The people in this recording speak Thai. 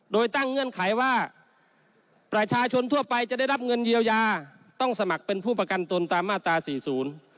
โดยตั้งเงื่อนไขว่าประชาชนทั่วไปจะได้รับเงินเยียวยาต้องสมัครเป็นผู้ประกันตนตามมาตราสี่ศูนย์